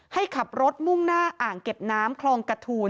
ให้ขับรถมุ่งหน้าอ่างเก็บน้ำคลองกระทูล